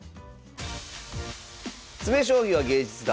「詰将棋は芸術だ！」